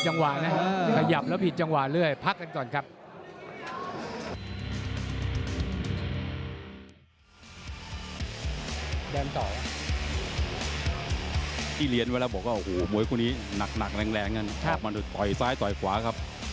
อันนี้โปรแมตเตอร์มหาชนครับคุณสงชัยรัตนาสุบันครับ